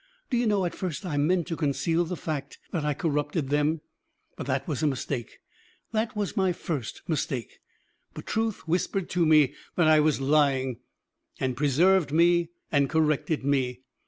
Do you know, at first I meant to conceal the fact that I corrupted them, but that was a mistake that was my first mistake! But truth whispered to me that I was lying, and preserved me and corrected me.